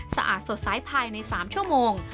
สะอาดสดใสภายใน๓ชั่วโมง